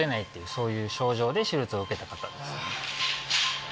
そういう症状で手術を受けた方ですね。